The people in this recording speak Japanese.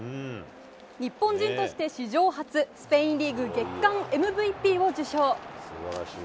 日本人として史上初、スペインリーグ月間ＭＶＰを受賞。